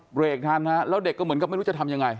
เบรกทันฮะแล้วเด็กก็เหมือนกับไม่รู้จะทำยังไง